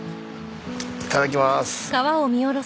いただきます。